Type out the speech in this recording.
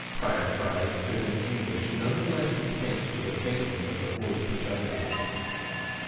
Pryor cried, with an anguish none the less intense for the faintness of the voice which uttered it.